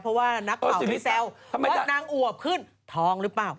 เพราะว่านักข่าวว่าว่านางอวกขึ้นทองหรือเปล่า